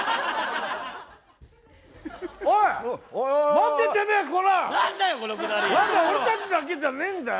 まだ俺たちだけじゃねえんだよ！